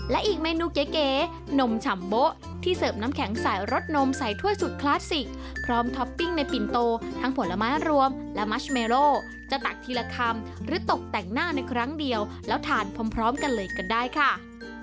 และอีกเมนูเก๋นมฉ่ำโบ๊ะที่เสิร์ฟน้ำแข็งใส่รสนมใส่ถ้วยสุดคลาสสิกพร้อมท็อปปิ้งในปิ่นโตทั้งผลไม้รวมและมัชเมโลจะตักทีละคำหรือตกแต่งหน้าในครั้งเดียวแล้วทานพร้อมกันเลยกันได้ค่ะ